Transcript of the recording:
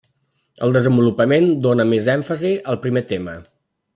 El desenvolupament dóna més èmfasi al primer tema.